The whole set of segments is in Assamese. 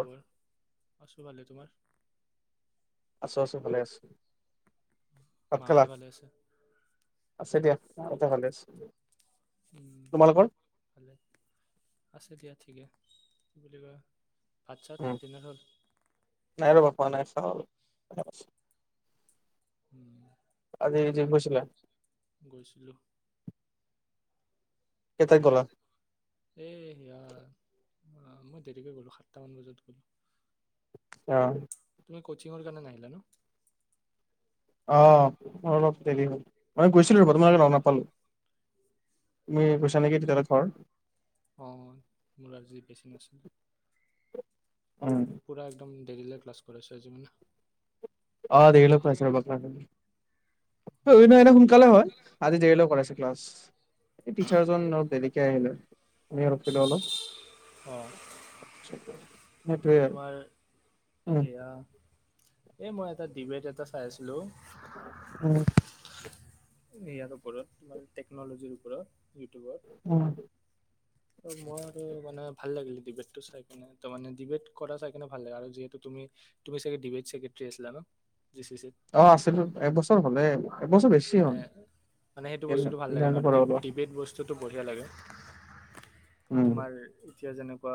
খবৰ আছোঁ ভালে তোমাৰ? আছোঁ, আছোঁ ভালে আছোঁ। ভাত খালা? মাহঁতে ভালে আছে আছে দিয়া। [unintelligible] উম, তোমালোকৰ ভাল আছোঁ দিয়া। ঠিকে বুলি কয়। ভাত ছাত দিনাৰ হ'ল? হোৱা নাই চাওঁ উম, আজি গৈছিলোঁ। কেইটাত তোমাৰ গ'লা এই হিয়াৰ অ' মই দেৰিকৈ গ'লো সাতটামান বজাত গলোঁ। অ' তুমি কচিংৰ কাৰণে নাহিলা ন। আহ অলপ দেৰি হ'ল। মই গৈছিলো বৰ্তমানে লগ নাপালো। তুমি অ গৈছা নেকি তেতিয়াহ'লে ঘৰ অ মোৰ আজি বেছি নাছিলে। উম পুৰা একদম দেৰিলে ক্লাছ কৰাছে আজি মানে। অ দেৰিলৈকে কৰাইছে ৰবা ক্লাছ আজি। অঁ সেই নাই ন সোনকালে হয় আজি দেৰিলৈ উম, কৰাইছে ক্লাছ, এই টিচাৰ অলপ দেৰি কে আহিলো। অঁ [unintelligible] মই সেইটোৱে তোমাৰ উম। এ মই এটা ডিবেট এটা চাই আছিলো। উম। ইয়াৰ ওপৰত তোমাৰ টেকনলজিৰ ওপৰত। ইউটিউবত উম। মই আৰু মানে ভাল লাগিলে ডিবেটটো চাই কিনে তে ডিবেট কৰা চাই কিনে ভাল লাগে আৰু যিহেতুু তুমি চাগে ডিবেটছেক্ৰটাৰী আছিলা ন? জি চি চিত অ আছিলো এবছৰ হলে এবছৰ বেছি মানে মানে হ'ল [unintelligible] টো বঢ়িয়া লাগে উম তোমাৰ এতিয়া যেনেকুৱা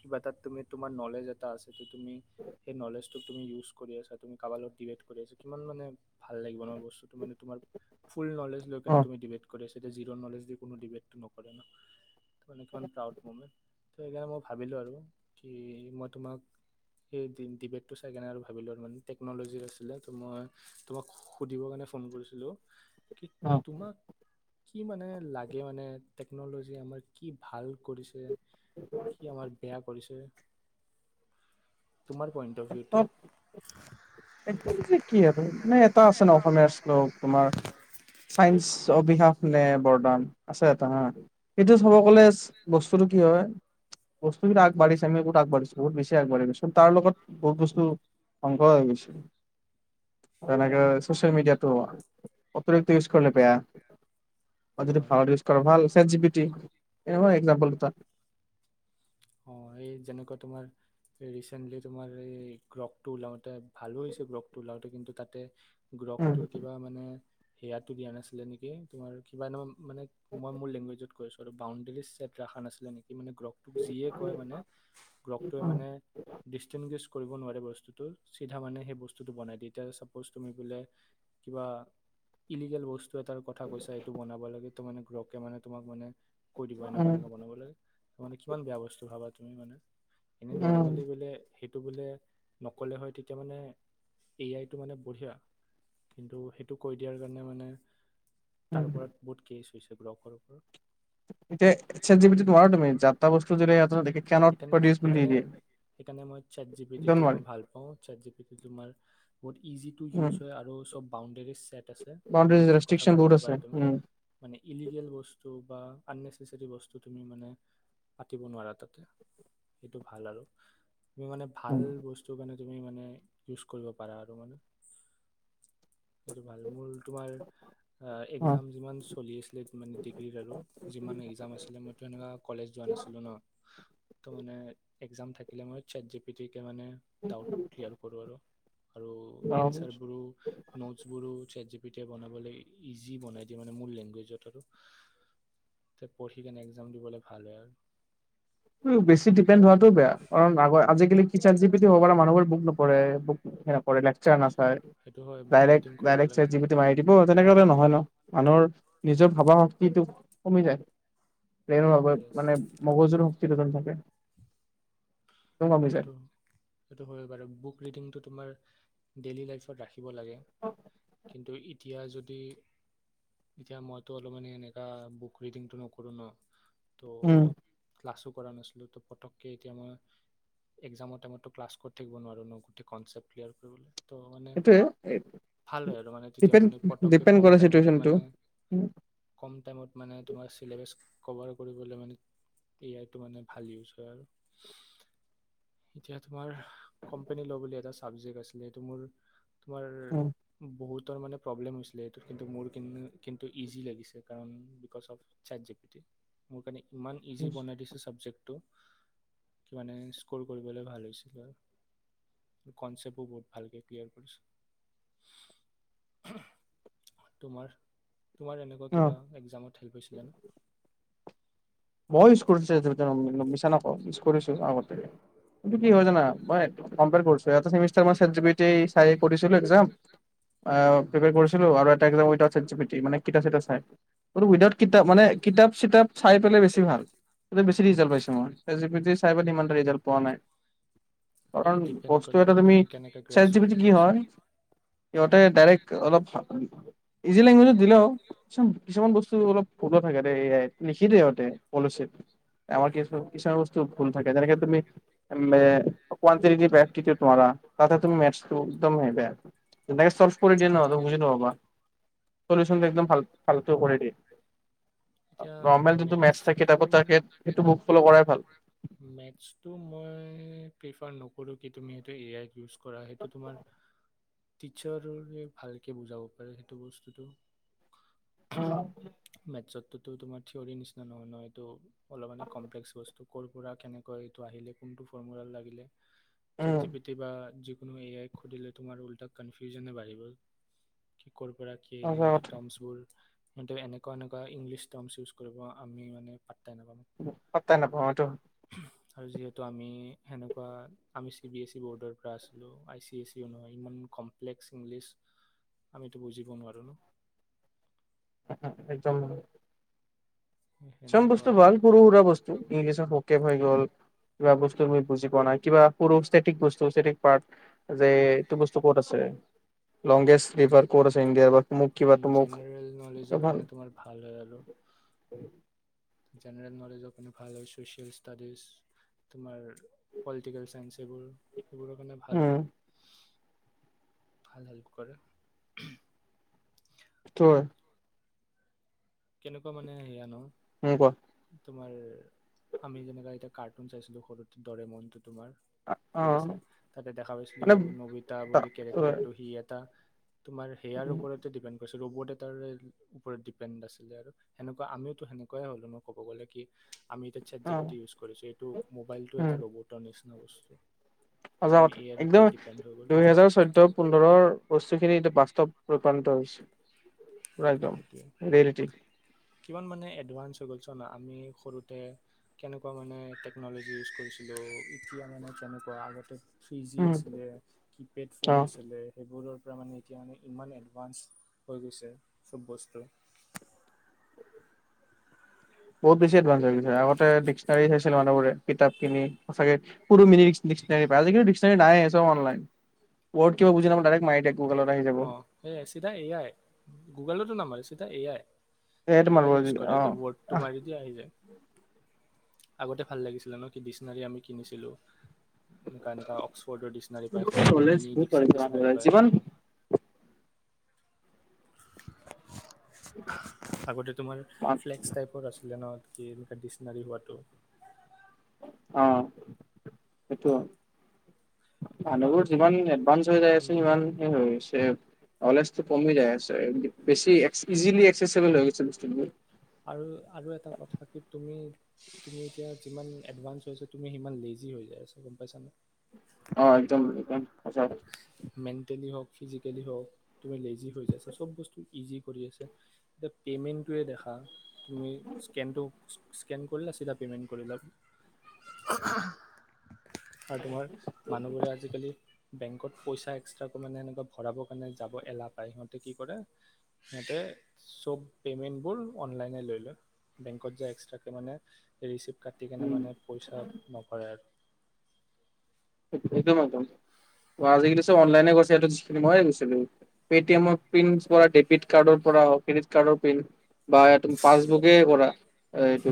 কিবা এটা তুমি তোমাৰ নলেজ এটা আছে তুমি সেই নলেজ টো টোক তুমি ইউজ কৰি আছা তুমি কাবাৰ লগত ডিবেট কৰি আছা কিমান মানে ভাল লাগিব ন বস্তু মানে তোমাৰ ফুল নলেজ লৈকেনে অ', তুমি ডিবেট কৰি আছ এতিয়া জিৰ নজ দি কোনো ডিবেট নকৰে নি মানে কিমান প্ৰাউড মুমেণ্ট ত সেইকাৰণে মই ভাবিলোঁ আৰু কি মই তোমাক সেই ডিবেটো চাই কাৰণে আৰু ভাবিলোঁ আৰু মানে টেকন'লজিৰ আছিলে তো মই তোমাক সুধিবৰ কাৰণে ফোন কৰিছিলোঁ কি অ', তোমাক কি মানে, লাগে মানে টেকনল'জি আমাৰ কি ভাল কৰিছে কি আমাৰ বেয়া কৰিছে তোমাৰ পইণ্ট অফ প ভিউটো একদমযে কি এটা, মানে এটা আছে ন' অসমীয়াৰ শ্লোক, তোমাৰ চাইন্স অভিশাপ নে বৰদান আছে এটা হা, সেইটো চাব গ'লে বস্তুটো কি হয়, বস্তুবিলাক আগাঢ়িছেনে, বহুত আগবাঢ়িছো, বহুত বেছি আগবাঢ়ি গৈ। তাৰ লগত বহুত বস্তু ধ্বংস হৈ গৈছে। তেনেকে চচিয়েল মিডিয়াতো অতিৰিক্ত ইউজ কৰিলে বেয়া। অ যদি হা ভালত ইউজ কৰা ভাল একজিভিটি এহয় একজাম্পল এটা। অঁ এই যেনেকুৱা তোমাৰ ৰিচেণ্টলি তোমাৰ এই গ্লকটো ওলাওতে ভালো হৈছে গ্লকটো ওলাওতে কিন্তু তাতে উম, গ্লকটোৰ কিবা মানে সেয়াটো দিয়া নাছিলে নেকি তোমাৰ কিবা ন মানে মই মোৰ লেংগুৱেজত কৰিছোঁ আৰু বাউণ্ডেৰী চেট ৰাখা নাছিলা নেকি? মানে গ্লকটোক যিয়ে কয় মানে গ্ৰকটোৱে উম, মানে ডিষ্টিংগেছ কৰিব নোৱাৰে বস্তুটো চিধা মানে সেই বস্তুটো বনায় দিয়ে এতিয়া চাপছ তুমি বোলে কিবা ইলিগেল বস্তু টো এতাৰ কথা কৈছা এইটো বনাব লাগে। তো মানে ঘ্লকে মানে তোমাক মানে কৈ দিব উম, এনেকুৱা এনেকুৱা বনাবলৈ মানে কিমান বেয়া বস্তু খাবা তুমি মানে এনে উম, নৰ্মেলি বোলে সেইটো বোলে নক'লে হয় তেতিয়া মানে এ আইটো মানে বঢ়িয়া। কিন্তু সেইটো কৈ দিয়াৰ কাৰণে মানে উম। তাৰ ওপৰত বহুত কেছ পিছে ব্লকৰ ওপৰত এতিয়া চেট জি পিত নোৱাৰা তুমি যা তা বস্তু যদি ইয়াত সেইকাৰণে সেইকাৰণে সেইকাৰণে মই একদম চেটজিপিটিটো নোৱাৰি মই ভাল পাওঁ চেটজিপিটি তোমাৰ বহুত ইজি তু উম। ইউজ হয় আৰু চব বাউণ্ডেৰীত চেট আছে বাউণ্ডেৰীজ লিমিটড কথা ৰেষ্ট্ৰিকচন বহুত পাতিব আছে পাৰা তুমি, উম, মানে ইলিগেল বস্তু বা আননেচেচাৰী বস্তু তুমি মানে পাতিব নোৱাৰা তাতে। সেইটো ভাল আৰু তুমি মানে ভাল উম। বস্তু মানে তুমি মানে ইউজ কৰিব পাৰা আৰু মানে সিটো ভাল মোৰ তোমাৰ অ এক্সাম যিমান চলি আছিলে মানে ডিগ্ৰীৰ আৰু যিমান এক্সাম আছিলে মইটো হেনেকা কলেজ যোৱা নাছিলোঁ ন। ত মানে এক্সাম থাকিলে মই চেটজিপিটি তেতিয়া মানে ডাউট ক্লিয়াৰ কৰোঁ আৰু। আৰু অ', এনছাৰ কৰোঁ, নোটছ কৰোঁ, চেচজি তেতিয়া বনাবলৈ ইজি বনাই দিয়ে মানে মোৰ লেংগুৱেজত আৰু। পঢ়িকেনে এক্সাম দিবলৈ ভাল হয় আৰু। বেছি ডিপেণ্ড হোৱাটো বেয়া কাৰণ আগৰ আজিকালি চেন্সিভিটি হ'ব পৰা মানুহবোৰ ভোক নকৰে ভোক হে নকৰে লেকচাৰ নাচ হয় সেইটো হয় বুক ডাইৰেক্ট, ৰিডিং কৰিব ডাইৰেক্ট লাগে। চেকজিভিটো মাৰি দিব তেনেকুৱা নহয় ন মানুহৰ নিজৰ ভাবা শক্তিটো কমি যায়। [unintelligible] আগত য়েছ মানে মগজুুৰো [unintelligible] থাকে। কমি যায় সেইটো, সেইটো হয় বাৰু, বুক ৰিডিংটো তোমাৰ ডেইলী লাইফত ৰাখি দিব লাগে। কিন্ত ই এতিয়া যদি, এতিয়া মইতো অলপ মান এনেকুৱা বুক ৰিডিংটো নকৰো ন' উম ত' লাষ্টত কৰা নাছিলো। ত' পট্টকে এতিয়া মই এক্সামৰ টাইমতো ক্লাছ কৰি থাকিব নোৱাৰো ন', গোটেই কনচেপ্ট ক্লিয়াৰ কৰিবলৈ। ত' মানে সেইটোয়ে ভাল হয়, আৰু মানে তেতিয়া ডিপেণ্ড মানে পট্টকৈ ডিপেণ্ড কম কৰে টাইমত চিটুৱেচনটো মানে কম টাইমত মানে তোমাৰ শ্লেবাছ কভাৰ কৰিবলৈ মানে এ আইটো মানে ভাল ইউচ হয় আৰু এতিয়া তোমাৰ কম্পেনী ল' বুলি এটা চ চাবজেক্ট আছিলে, এইটো মোৰ তোমাৰ বহুত তাৰমানে প্ৰব্লেম হৈছিলে সেইটোত, কিন্তু মোৰ কাৰনে কিন্তু ইজি লাগিছে, কাৰণ বিকজ অ'ফ চেত জিপিটি। মোৰ কাৰণে ইমান ইজি বনাই দিছে ছাবজেক্ট ত' কি মানে সৰু কৰিবলৈ ভাল হৈছে। আৰু কনচেপ্ট বহুত ভালকে ক্লিয়াৰ কৰিছে। তোমাৰ তোমাৰ এনেকুৱা অ', কিবা এক্সামত হেল্প পাইছিলা নে? মই ইউচ কৰিছোঁ চেত [unintelligible] মিছা নকওঁ ইয়োছ কৰিছোঁ আগতে। কিন্ত কি হয় জানা, মই কম্পেয়াৰ কৰিছোঁ এটা ছেমিষ্টাৰ মই চাড জিপিটি চায় কৰিছিলোঁ এক্সাম অ' প্ৰিপেয়াৰ কৰিছিলো আৰু এটা এক্সাজাম উইডাওত চেত জিপিতি, মানে কিতাপ-চিতাপ চাই। উইডাওত কিতাপ মানে কিতাপ-চিতাপ চাই পে বেছি ভাল, বেছি ৰিজাল্ট পাইছোঁ মই। চেত জিপিটি চাই মই ইমানটা ৰিজাল্ট পোৱা নাই। সেইটো কাৰণ ডিপেণ্ড বস্তু কৰে এটা এতিয়া তুমি, কেনেকৈ চেত গ্ৰেছ জিপিতি কি কৰিছা। হয়, সিহঁতে দাৰেক্ট অলপ ইজি লেংগুৱেজত দিলেও, কিছু কিছুমান বস্তু অলপ ভুলো থাকে দেই এ, লিখি দিয়ে সিহঁতে পলিচিত। আমাৰ কিছু কিছুমান বস্তু ভুল থাকে, যেনেকে তুমি [unintelligible] ওৱান তাতে তুমি মেটচ টো। একদমেই বেয়া। যেনেকৈ চলফ কৰি দিয়ে ন বুজি নাপাবা। চলিছনটো একদম ফালটো কৰি দিয়ে। এতিয়া নৰ্মেল যোনটো মেথছ থাকে মেথড কিতাপত থাকে সেইটো বুক ফল' কৰাই ভাল মেটছ টো মই প্ৰীফাৰ নকৰো কিন্তু, এইটো মে তে এই আই ইউছ কৰা সেইটো তোমাৰ টিচাৰ ভালকে বুজাব পাৰে সেইটো বস্তুটো। অ। তো তোমাৰ থিয়ৰ নিচিনা নহয় নয়টোএইটো অলপ মানি কমপ্লেক্স বস্তু। ক'ৰ পৰা কেনেকৈ এইটো আহিলে কোনটো ফৰ্মুলাত লাগিলে। Chat um G P T বা যি কোনো এ আই খুলিলে তোমাৰ উলটা কনফিউজয়ে বাঢ়িব। ক'ৰ পৰা কি সিহঁতে টমছবোৰ হেতে এনেকুৱা এনেকুৱা ইংলিছ টাৰ্মছ ইউছ কৰিব আমি মানে পাত্তাই নাপাম পাত্তা নাপাওঁ উম সেইটো। আৰু যিহেতু আমি সেনেকুৱা আমি চি বি এছ ই ব'ৰ্ডৰ পৰা আছিলোঁ আই চি এছ ই নহয় ইমান কমপ্লেক্স ইংলিছ আমিতো বুজিব নোৱাৰোঁ ন। একদম। চব সেনেকুৱা বস্তু আৰু ভাল সৰু সুৰা বস্তু ই চ সকে হৈ গ'ল। কিবা বস্তু তুমি বুজি পোৱা নাই কি বাৰু টিক বস্তু পাৰ্ যে এইটো বস্তু ক'ত আছে? লংগেষ্ট ৰিভাৰ কত আছে ইণ্ডিয়াৰ বা কিবা তুম জেনেৰেল নলেজৰ ভাল কাৰণে তোমাৰ ভাল হয় আৰু জেনেৰেল নলেজৰ কাৰণে ভাল হয় ছ'চিয়েল ষ্টাডিজ, তোমাৰ পলিটিকেল চাইন্স, এইবোৰ হেইবোৰৰ কাৰণে ভাল উম আৰু। ভাল হেল্প কৰে। টোৱে। কেনেকুৱা মানে সেয়া ন? উম কোৱা তোমাৰ আমি যেনেকা এতিয়া কাৰ্টুন চাইছিলো সৰুতে দৰিমণ তোমাৰ অ ঠিক আছে তাতে দেখা মানে পাইছিলো নবিতা বুলি কেৰেক্টাৰটো সি এটা তোমাৰ সেয়াৰ ওপৰতে ডিপেণ্ড কৰি ৰ'বট এটাৰ ওপৰত ডিপেণ্ড আছে। আছিলে আৰু সেনেকুৱা আমিও টো সেনেকুৱাই হ'লো ক'ব গ'লে কি আমি এতিয়া চে্ট অ জি পি টি ইউজ কৰিছো এইটো মোবাইল টো উম এটা ৰোবটৰ নিছি চিনা বস্তু। আমি এ আইৰ [unintelligible] ওপৰত একদম ডিপেণ্ড হৈ গ'লোঁ দুইহেজাৰ চৈধ্যয় পোন্ধৰৰ বস্ বস্তুখিনি এতিয়া বাস্তৱ ৰূপানিত হৈছে। পোৰা একদম সেইটোৱে ৰিয়েলিটি। কিমান মানে এডভানঞ্চ হৈ গ'ল চোৱা না, আমি সৰুতে কেনেকুৱা মানে টেকন'লজি ইউজ কৰিছিলোঁ এতিয়া মানে কেনেকুৱা আগতে থ্ৰী জি উম আছিলে কিপেড অ ফোন আছিলে সেইবোৰৰ পৰা মানে এতিয়া মানে ইমান এডভানঞ্চ হৈ গৈছে। চব বস্তু বহুত বেছি এড ভানঞ্চ হৈ গৈছে আগতে ডিক্স নাৰী চাইছিল মানুহবোৰে কিতাপ যিখিনি সঁচা কে সৰু মিনি ডিক্সনাৰী বাঁল সিখিনি নাইয়ে চব অনলাইন ৱৰ্ড কিবা বুজি নাপালে দাইৰেক মাৰি দিয়ে অ' সেইয়া চিধা এয়াই গুগলতো নামাৰিছে এটা এয়াই সেয়ে তোমাৰ ইয়াৰ ইউজ কৰে অ কি বৰ্ডটো মাৰি দিয়া আহি যায় আগতে ভাল লাগিছিলে ন কি ডিক্সনাৰী আমি কিনিছিলো এনেকা এনেকা অক্স'ফৰ্ডৰ ডিক্সনাৰী পায় সৰু নলেজ মিনি ডিস ডিক্সনাৰী বহুত পায়। যিমান আগতে তোমাৰ ফ্লেক্স টাইপৰ আছিলে ন। কি এনেকুৱা ডি্চনাৰী হোৱাটো। অ', সেইটো। আৰু মানুহবোৰ আগতে যিমান এডভান্স হৈ যায় আছে উম সিমান সেই হৈছে আছে। ন'লেজটো কমি যায় আছে, দিপ বেছি এক্স ইজিলি চেচিবল হৈ গৈছে বস্তুবোৰ। আৰু আৰু এটা কথা কি তুমি তুমি এতিয়া যিমান এডভান্স হৈ আছা, তুমি সিমান লেজি হৈ যাই আছা, গম পাইছানে। অ', একদম মেন্টেলি হওঁক ফিজিকেলি হওঁক তুমি লেজি হৈ যায় আছা, চব বস্তু ইজি কৰি আছে, এতিয়া পেমেণ্টোৱে দেখা তুমি স্কেনটো স্কেন কৰিলা চিধা পেমেণ্ট কৰিলা। আৰু তোমাৰ মানুহবোৰে আজিকালি বেংকত পইচা এক্সট্ৰাকৈ মানে এেনেকুৱা ভৰাবৰ কাৰণে যাব এলাহ পায়, সিহঁতে কি কৰে সিহঁতে চব পেমেণ্টবোৰ অনলাইনে লৈ লয় বেংকত যায় এক্সট্ৰাকে মানে ৰিচিপ্ট কাটি কেনে উম মানে পইচা নভৰে আৰু। একদম, একদম আজিকালি চব অনলাইনে কৰিছে যিখিনি ময়ে গৈছিলোঁ, পেটিএমৰ প্ৰিন্ট পৰা ডেবিট কাৰ্ডৰ পৰা ক্ৰেডিট কাৰ্ডৰ প্ৰিন্ট বা পাছবুকে কৰা এইটো।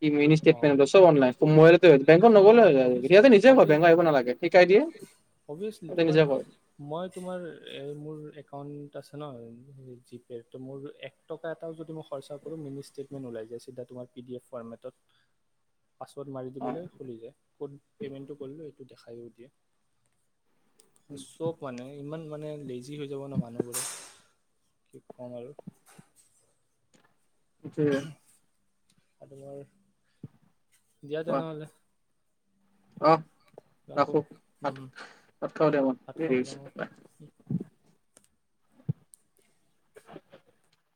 কি অঁ মিনিষ্টেটমেন্ত চব অনলাইন, মোবাইলতে হয়, বেংকত নগ'লেই হৈ যায়, এতিয়াটো নিজেই হ অফিয়চলি বুজিছোঁ, সিহঁতে তোমাৰ নিজে কয় মই তোমাৰ এ মোৰ একাউণ্ট আছে ন হেৰি জি পে তো মোৰ এক টকা এটাও যদি মই খৰচা কৰোঁ মিনি ষ্টেটমেণ্ট ওলাই যায় চিধা তোমাৰ পি ডি এফ ফৰ্মেটত। পাছৱৰ্ড মাৰি অ দিবলৈ খুলি যায়, ক'ত পেমেণ্টটো কৰিলোঁ এইটো দেখাই য়ে চব মানে ইমান মানে লেজি জি হৈ যাব ন মানুহবোৰে। কি কম আৰু। যে এইটো বৰ দিয়া তেনেহলে। অঁহ। ৰাখোঁ ৰাখো, কাটো, ভাত খাওঁ দিয়া মই, ভাত খাব দেৰি যাওঁ হৈছে বাই।